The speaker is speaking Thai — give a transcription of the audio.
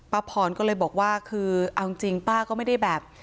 พรก็เลยบอกว่าคือเอาจริงป้าก็ไม่ได้แบบ